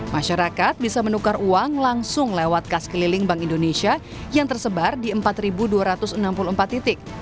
masyarakat bisa menukar uang langsung lewat kas keliling bank indonesia yang tersebar di empat dua ratus enam puluh empat titik